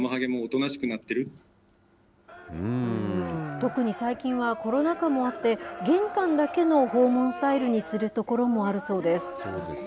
特に最近はコロナ禍もあって、玄関だけの訪問スタイルにする所もあるそうです。